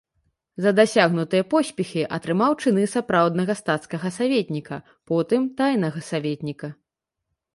За дасягнутыя поспехі атрымаў чыны сапраўднага стацкага саветніка, потым тайнага саветніка.